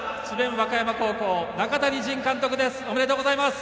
和歌山高校、中谷仁監督です。